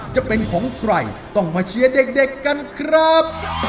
จะเป็นของใครต้องมาเชียร์เด็กกันครับ